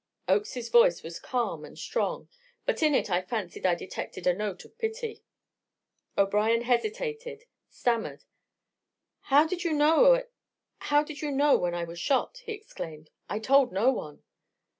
Oakes's voice was calm and strong, but in it I fancied I detected a note of pity. O'Brien hesitated, stammered. "How did you know when I was shot?" he exclaimed. "I told no one."